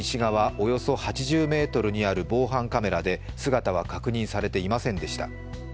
およそ８０ｍにある防犯カメラで姿は確認されていませんでした。